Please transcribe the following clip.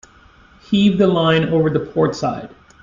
Heave the line over the port side.